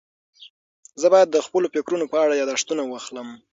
زه باید د خپلو فکرونو په اړه یاداښتونه واخلم.